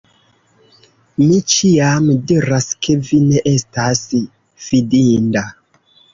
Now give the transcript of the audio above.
Mi ĉiam diras, ke vi ne estas fidinda!